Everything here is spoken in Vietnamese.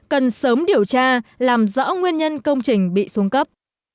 các nông cần sớm điều tra làm rõ nguyên nhân công trình bị xuống cấp